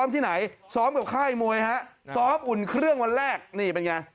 ที่ไหนซ้อมกับค่ายมวยฮะซ้อมอุ่นเครื่องวันแรกนี่เป็นไง